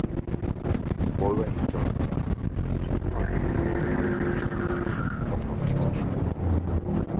বৈবাহিক যৌনতা: শুধুমাত্র বিবাহিত নারী পুরুষের মধ্যেই যৌন সম্পর্ক হওয়া সম্ভব।